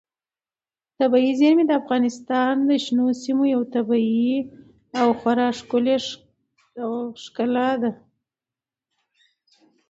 طبیعي زیرمې د افغانستان د شنو سیمو یوه طبیعي او خورا ښکلې ښکلا ده.